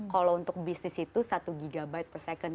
kalau untuk bisnis itu satu gb per second